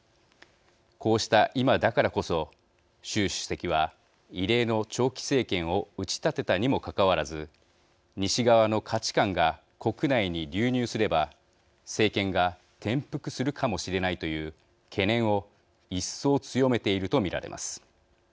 こうした今だからこそ習主席は、異例の長期政権を打ち立てたにもかかわらず西側の価値観が国内に流入すれば政権が転覆するかもしれないという懸念を一層、強めていると見られます。